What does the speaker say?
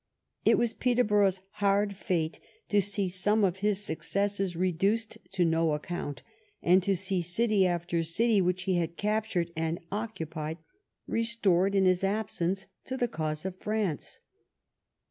It was Peterborough's hard fate to see some of his successes reduced to no account, and to see city after city which he had captured and occupied restored in his absence to the cause of France.